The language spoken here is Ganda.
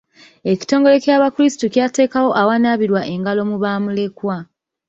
Ekitongole ky'abakulisitu kyateekawo awanaabirwa engalo mu bamulekwa.